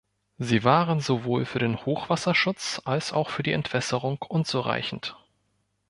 Sie waren sowohl für den Hochwasserschutz als auch für die Entwässerung unzureichend.